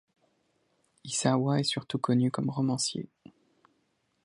Isawa est surtout connu comme romancier.